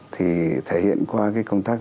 thì thể hiện qua cái công tác